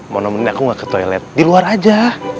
mau nemuin aku gak ke toilet di luar aja